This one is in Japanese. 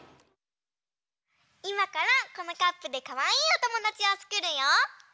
いまからこのカップでかわいいおともだちをつくるよ。